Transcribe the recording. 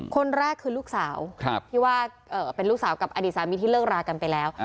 คนแรกคือลูกสาวที่ว่าเป็นลูกสาวกับอดีตสามีที่เลิกรากันไปแล้ว